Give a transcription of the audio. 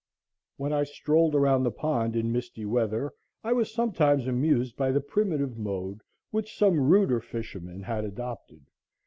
When I strolled around the pond in misty weather I was sometimes amused by the primitive mode which some ruder fisherman had adopted.